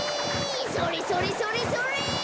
それそれそれそれ！